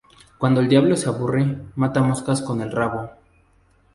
Cuando el diablo se aburre, mata moscas con el rabo